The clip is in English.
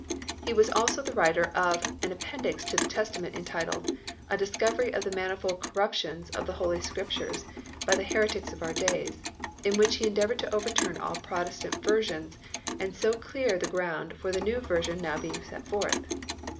He was also the writer of an appendix to the Testament entitled " A Discovery of the Manifold Corruptions of the Holy Scriptures by the Heretics of our Days," in which he endeavoured to overturn all Protestant versions and so clear the ground for the new version now being sent forth.